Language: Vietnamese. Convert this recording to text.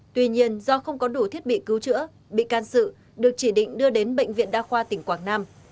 tuy nhiên do không có đủ thiết bị cứu chữa bị can sự được chỉ định đưa đến bệnh viện đa khoa tỉnh quảng nam